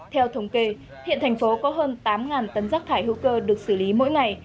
theo thống kê hiện thành phố có hơn tám tấn rác thải hữu cơ được xử lý mỗi ngày